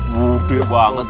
boleh banget itu